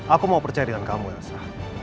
aku mau percaya dengan kamu elsa